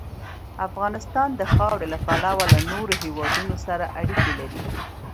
افغانستان د خاوره له پلوه له نورو هېوادونو سره اړیکې لري.